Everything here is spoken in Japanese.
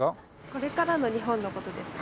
これからの日本の事ですか？